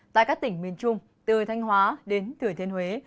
tại các tỉnh miền trung từ thanh hóa đến thừa thiên huế